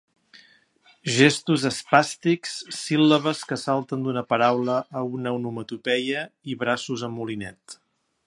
Gestos espàstics, síl·labes que salten d'una paraula a una onomatopeia i braços en molinet.